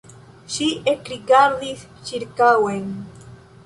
Ŝi ekrigardis ĉirkaŭen.